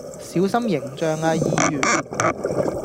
小心形象呀議員